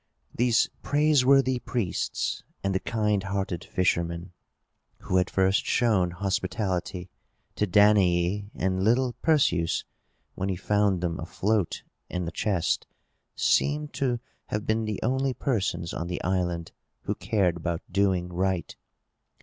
These praiseworthy priests, and the kind hearted fisherman, who had first shown hospitality to Danaë and little Perseus when he found them afloat in the chest, seem to have been the only persons on the island who cared about doing right.